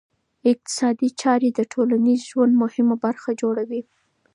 اقتصادي چاري د ټولنیز ژوند مهمه برخه جوړوي.